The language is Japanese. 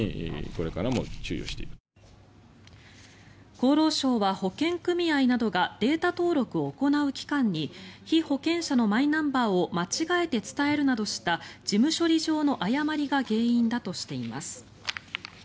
厚労省は保険組合などがデータ登録を行う機関に被保険者のマイナンバーを間違えて伝えるなどした事務処理上の誤りが原因だとしています。